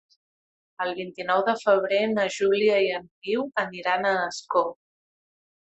El vint-i-nou de febrer na Júlia i en Guiu aniran a Ascó.